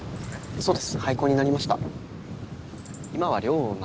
そうです。